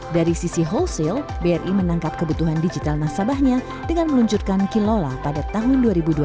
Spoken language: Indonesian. dari sisi wholesale bri menangkap kebutuhan digital nasabahnya dengan meluncurkan kilola pada tahun dua ribu dua puluh